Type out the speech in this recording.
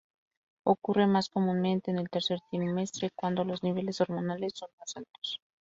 Ocurre más comúnmente en el tercer trimestre, cuando los niveles hormonales son más altos.